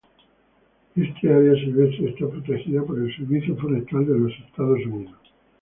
Esta área silvestre está protegida por el Servicio Forestal de los Estados Unidos.